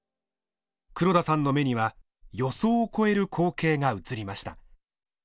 黒田さんの目には予想を超える光景が映りました。